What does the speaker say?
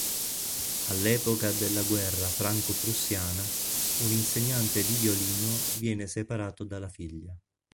All'epoca della guerra franco-prussiana, un insegnante di violino viene separato dalla figlia.